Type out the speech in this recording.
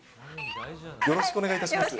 よろしくお願いします。